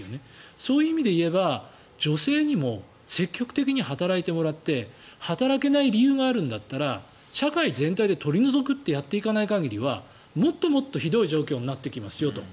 そういう意味で言えば女性にも積極的に働いてもらって働けない理由があるんだったら社会全体で取り除くとやっていかない限りはもっともっとひどい状況になってきますよと。